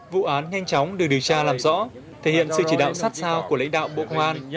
vụ án nhanh chóng được điều tra làm rõ thể hiện sự chỉ đạo sát sao của lãnh đạo bộ công an